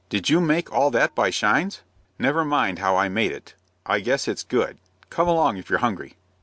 Did you make all that by shines?" "Never mind how I made it. I guess it's good. Come along if you're hungry."